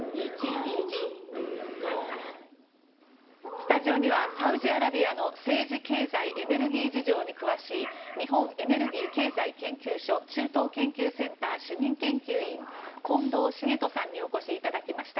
スタジオにはサウジアラビアの政治、経済エネルギー事情に詳しい日本エネルギー経済研究所中東研究センター主任研究員近藤重人さんにお越しいただきました。